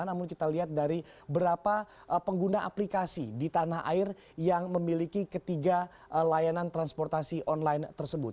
namun kita lihat dari berapa pengguna aplikasi di tanah air yang memiliki ketiga layanan transportasi online tersebut